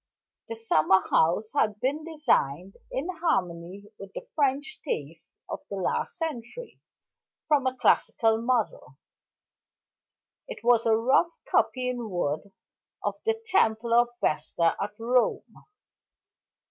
The summer house had been designed, in harmony with the French taste of the last century, from a classical model. It was a rough copy in wood of The Temple of Vesta at Rome.